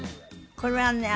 これはね